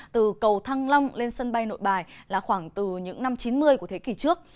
từ cầu thăng long lên sân bay nội bài là khoảng từ những năm chín mươi của thế kỷ trước